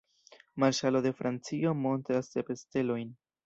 Marŝalo de Francio montras sep stelojn.